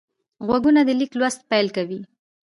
غوږونه د لیک لوست پیل کوي